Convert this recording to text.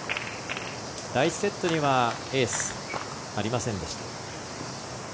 第１セットにはエースありませんでした。